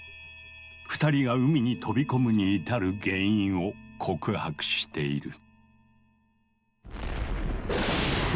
二人が海に飛び込むに至る原因を告白している。